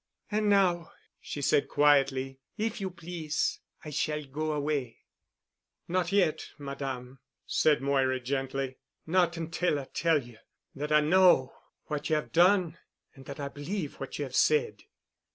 "An' now," she said quietly, "if you please, I shall go away." "Not yet, Madame," said Moira gently. "Not until I tell you that I know what you have done—that I believe what you have said."